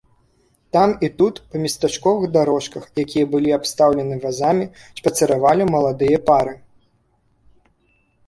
Там і тут па местачковых дарожках, якія былі абстаўлены вазамі, шпацыравалі маладыя пары.